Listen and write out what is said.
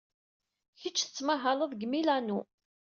Kečč tettmahaled deg Milano.